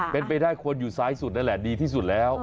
เป็นไปได้ควรอยู่ซ้ายสุดนั่นแหละดีที่สุดแล้ว